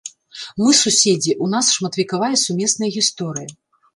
Мы суседзі, у нас шматвекавая сумесная гісторыя.